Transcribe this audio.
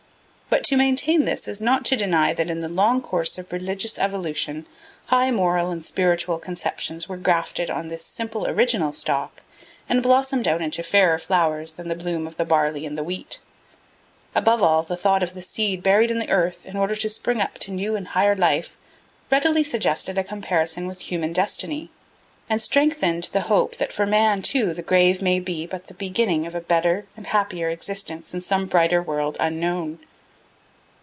But to maintain this is not to deny that in the long course of religious evolution high moral and spiritual conceptions were grafted on this simple original stock and blossomed out into fairer flowers than the bloom of the barley and the wheat. Above all, the thought of the seed buried in the earth in order to spring up to new and higher life readily suggested a comparison with human destiny, and strengthened the hope that for man too the grave may be but the beginning of a better and happier existence in some brighter world unknown.